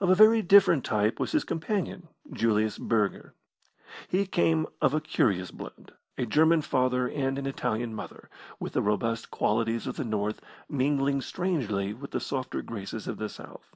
Of a very different type was his companion, Julius Burger. He came of a curious blend, a German father and an Italian mother, with the robust qualities of the North mingling strangely with the softer graces of the South.